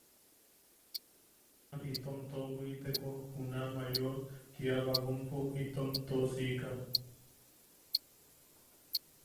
Junaman itom toʼobwitek juna Mayor, kia bagonpo itom toʼosika.